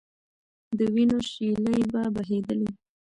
د وینو شېلې به بهېدلې.